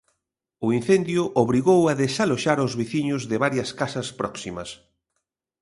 O incendio obrigou a desaloxar aos veciños de varias casas próximas.